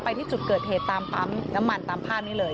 ที่จุดเกิดเหตุตามปั๊มน้ำมันตามภาพนี้เลย